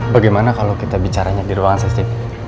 bagaimana kalau kita bicara nyet di ruangan saya sih